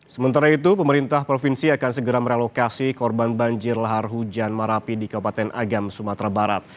sementara itu pemerintah provinsi akan segera merelokasi korban banjir lahar hujan marapi di kabupaten agam sumatera barat